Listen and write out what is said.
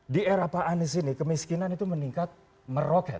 di era pak anies ini kemiskinan itu meningkat meroket